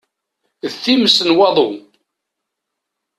D times n waḍu!